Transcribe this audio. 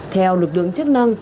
theo lực lượng chức năng